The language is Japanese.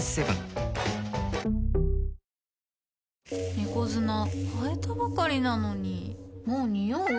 猫砂替えたばかりなのにもうニオう？